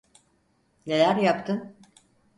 Neler yaptın?